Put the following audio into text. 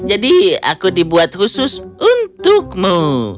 jadi aku dibuat khusus untukmu